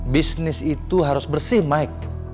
bisnis itu harus bersih mike